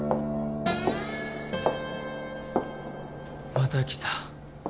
また来た。